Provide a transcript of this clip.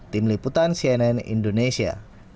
tim liputan cnn indonesia